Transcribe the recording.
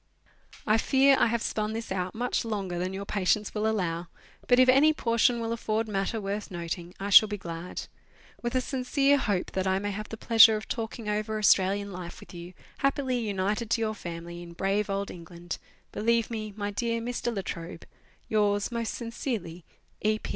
I fear I have spun this out much longer than your patience will allow, but if any portion will afford matter worth noting I shall be glad. With a sincere hope that I may have the pleasure of talking over Australian life with you, happily united to your family, in brave old England, Believe me, My dear Mr. La Trobe, Yours most sincerely, E.